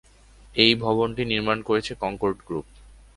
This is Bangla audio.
এই ভবনটি নির্মাণ করেছে কনকর্ড গ্রুপ।